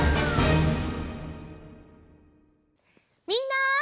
みんな！